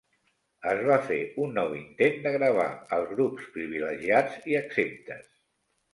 Es va fer un nou intent de gravar els grups privilegiats i exemptes.